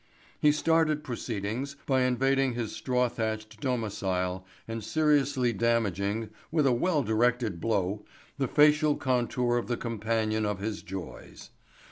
He started proceedings by invading his straw thatched domicile and seriously damaging, with a well directed blow, the facial contour of the companion of his joys.